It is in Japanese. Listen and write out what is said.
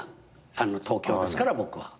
東京ですから僕は。